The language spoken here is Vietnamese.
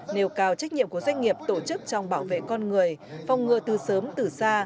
nêu cao trách nhiệm của doanh nghiệp tổ chức trong bảo vệ con người phòng ngừa từ sớm từ xa